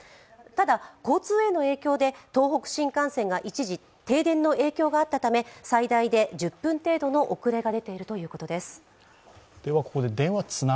ただ、交通への影響で東北新幹線が一時停電の影響があったため最大で１０分程度の遅れが出ているということです。